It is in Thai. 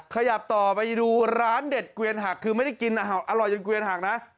ขยับต่อไปดูร้านเด็ดเกวียนหักคือไม่ได้กินอาหารอร่อยจนเกวียนหักนะ